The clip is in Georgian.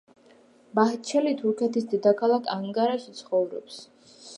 ბაჰჩელი თურქეთის დედაქალაქ ანკარაში ცხოვრობს.